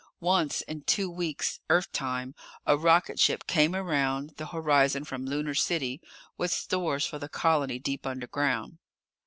Once in two weeks Earth time a rocketship came around the horizon from Lunar City with stores for the colony deep underground.